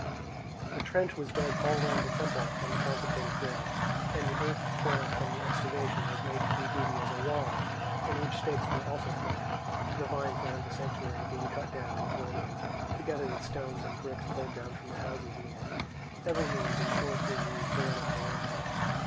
A trench was dug all round the temple and the consecrated ground, and the earth thrown up from the excavation was made to do duty as a wall, in which stakes were also planted, the vines round the sanctuary being cut down and thrown in, together with stones and bricks pulled down from the houses near; every means, in short, being used to run up the rampart.